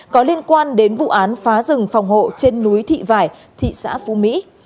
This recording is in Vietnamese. có liên quan đến vụ án phá rừng phòng hộ trên núi thị vải thị xã phú mỹ